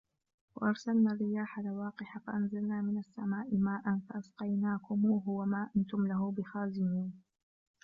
وَأَرْسَلْنَا الرِّيَاحَ لَوَاقِحَ فَأَنْزَلْنَا مِنَ السَّمَاءِ مَاءً فَأَسْقَيْنَاكُمُوهُ وَمَا أَنْتُمْ لَهُ بِخَازِنِينَ